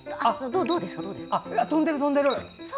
飛んでる飛んでる！